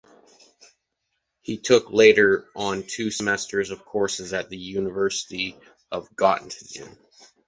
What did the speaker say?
He took later on two semesters of courses at the University of Göttingen.